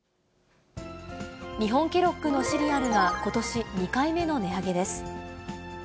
日本ケロッグのシリアルがことし２回目の値上げです。